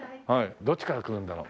どっちから来るんだろう。